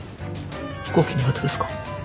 飛行機苦手ですか？